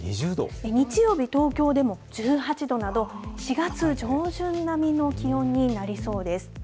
日曜日、東京でも１８度など、４月上旬並みの気温になりそうです。